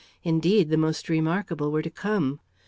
Indeed, the most remarkable were to come.